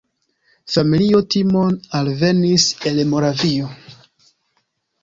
Familio Timon alvenis el Moravio.